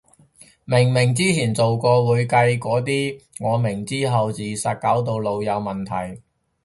明明之前做過會計個啲，我明之後自殺搞到腦有問題